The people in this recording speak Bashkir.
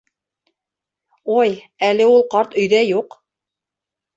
Ой, әле ул ҡарт өйҙә юҡ.